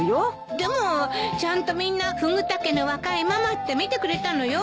でもちゃんとみんなフグ田家の若いママって見てくれたのよ。